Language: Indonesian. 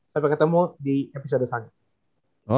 sampai ketemu di episode sana